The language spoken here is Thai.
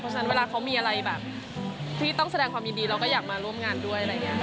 เพราะฉะนั้นเวลาเขามีอะไรแบบที่ต้องแสดงความยินดีเราก็อยากมาร่วมงานด้วยอะไรอย่างนี้ค่ะ